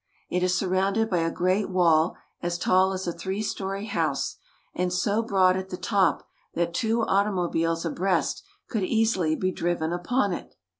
It is surrounded by a great wall as tall as a three story house and so broad at the top that two auto mobiles abreast could easily be driven upon it.